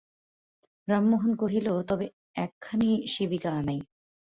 রামমোহন কহিল, তবে একখানি শিবিকা আনাই।